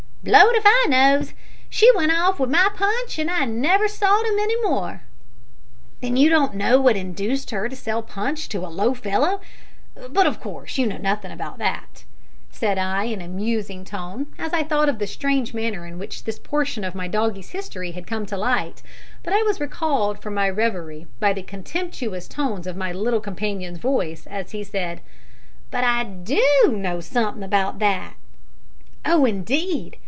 "Blow'd if I knows. She went off wi' my Punch, an' I never saw'd 'em more." "Then you don't know what induced her to sell Punch to a low fellow but of course you know nothing about that," said I, in a musing tone, as I thought of the strange manner in which this portion of my doggie's history had come to light, but I was recalled from my reverie by the contemptuous tones of my little companion's voice, as he said "But I do know something about that." "Oh, indeed!